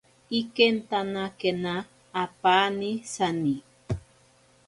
Ikentanakena apaani sani.